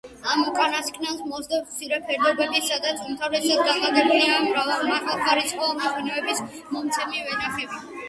ამ უკანასკნელს მოსდევს მცირე ფერდობები, სადაც უმთავრესად განლაგებულია მაღალხარისხოვანი ღვინოების მომცემი ვენახები.